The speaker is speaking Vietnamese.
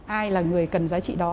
ai là người cần giá trị đó